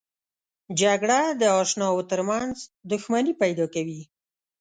جګړه د اشناو ترمنځ دښمني پیدا کوي